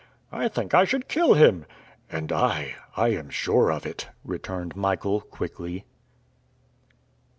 "I think I should kill him." "And I, I am sure of it," returned Michael quietly.